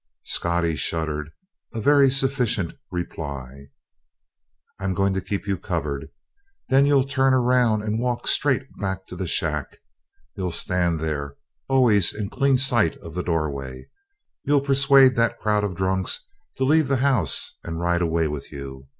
Scottie shuddered a very sufficient reply. "I'm going to keep you covered. Then you'll turn around and walk straight back to the shack. You'll stand there always in clean sight of the doorway and you'll persuade that crowd of drunks to leave the house and ride away with you.